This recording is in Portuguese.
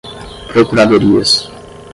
procuradorias